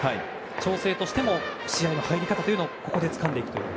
調整としても試合の入り方をここでつかんでいくという。